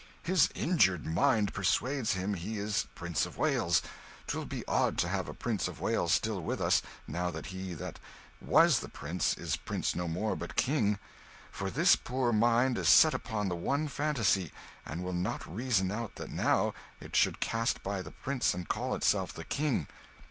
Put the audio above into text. "His injured mind persuades him he is Prince of Wales; 'twill be odd to have a Prince of Wales still with us, now that he that was the prince is prince no more, but king for this poor mind is set upon the one fantasy, and will not reason out that now it should cast by the prince and call itself the king.